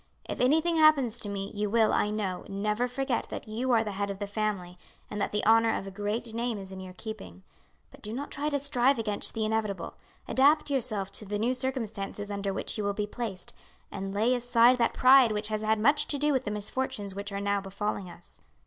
If anything happens to me, you will, I know, never forget that you are the head of the family, and that the honour of a great name is in your keeping; but do not try to strive against the inevitable. Adapt yourself to the new circumstances under which you will be placed, and lay aside that pride which has had much to do with the misfortunes which are now befalling us.